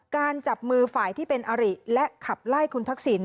จับมือฝ่ายที่เป็นอริและขับไล่คุณทักษิณ